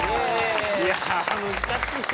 いやあ難しいよ。